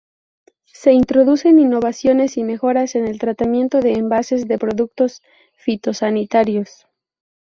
Se introducen innovaciones y mejoras en el tratamiento de envases de productos fitosanitarios.